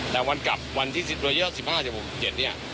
แต่วันกลับวันที่สิทธิ์ระยะ๑๕๖๗เนี่ย